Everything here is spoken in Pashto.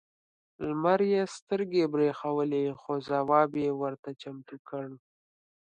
لمر یې سترګې برېښولې خو ځواب یې ورته چمتو کړ.